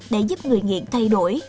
để giúp người nghiện thay đổi